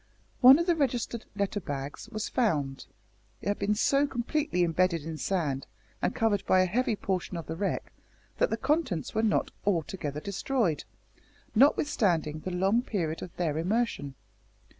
One of the registered letter bags was found. It had been so completely imbedded in sand, and covered by a heavy portion of the wreck, that the contents were not altogether destroyed, notwithstanding the long period of their immersion.